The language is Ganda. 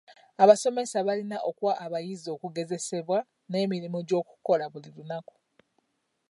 Abasomesa balina okuwa abayizi okugezesebwa n'emirimu gy'okukola buli lunaku.